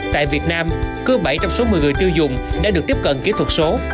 tại việt nam cứ bảy trong số một mươi người tiêu dùng đã được tiếp cận kỹ thuật số